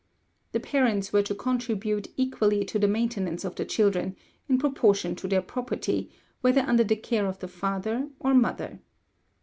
The parents were to contribute equally to the maintenance of the children, in proportion to their property, whether under the care of the father or mother.